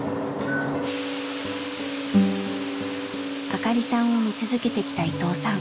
明香里さんを見続けてきた伊藤さん。